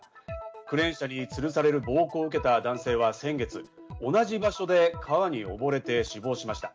クレーン車に吊るされる暴行を受けた男性は先月、同じ川でおぼれて死亡しました。